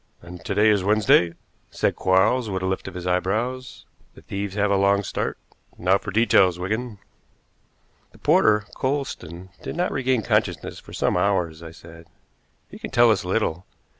"And to day is Wednesday," said Quarles, with a lift of his eyebrows. "The thieves have a long start. Now for details, Wigan." "The porter, Coulsdon, did not regain consciousness for some hours," I said. "He can tell us little.